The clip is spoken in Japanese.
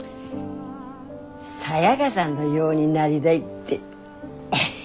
サヤカさんのようになりだいって。